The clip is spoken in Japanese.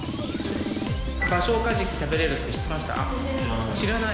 バショウカジキ食べれるって知らない。